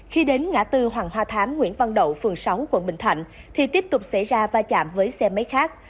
khi đến ngã tư hoàng hoa thám nguyễn văn đậu phường sáu quận bình thạnh thì tiếp tục xảy ra va chạm với xe máy khác